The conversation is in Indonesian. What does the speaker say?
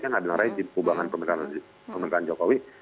itu juga jadi kubangan pemerintahan jokowi